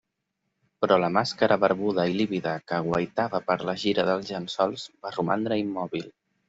Però la màscara barbuda i lívida que guaitava per la gira dels llençols va romandre immòbil.